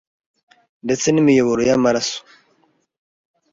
ndetse n’imiyoboro y’amaraso